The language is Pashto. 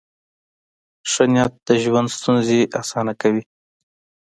ښه نیت د ژوند ستونزې اسانه کوي.